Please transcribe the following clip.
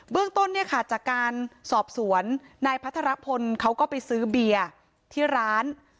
เรื่องต้นเนี่ยค่ะจากการสอบสวนนายพัทรพลเขาก็ไปซื้อเบียร์ที่ร้าน